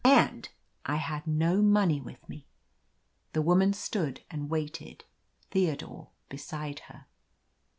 and — ^I had no money with me ! The woman stood and waited, Theo dore beside her.